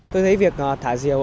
tôi thấy việc thả diều